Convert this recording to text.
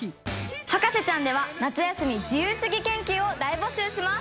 『博士ちゃん』では夏休み自由すぎ研究を大募集します。